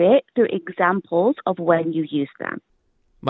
anda harus mencari kemahiran melalui contoh contoh ketika anda menggunakannya